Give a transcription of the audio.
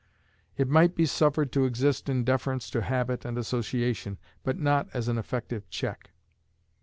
It might be suffered to exist in deference to habit and association, but not as an effective check.